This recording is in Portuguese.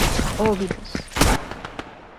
Óbidos